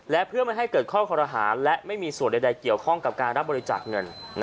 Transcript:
และเพื่อไม่ให้เกิดข้อคอรหาและไม่มีส่วนใดเกี่ยวข้องกับการรับบริจาคเงิน